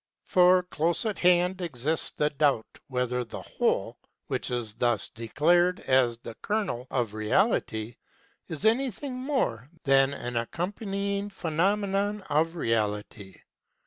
For close at hand exists the doubt whether the Whole which is thus declared as the kernel oi Reality is anything more than an accom panying phenomenon of Reality.